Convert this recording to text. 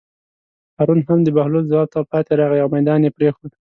هارون هم د بهلول ځواب ته پاتې راغی او مېدان یې پرېښود.